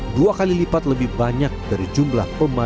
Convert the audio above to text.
tercatat dua kali lipat lebih banyak dari jumlah pemadaman api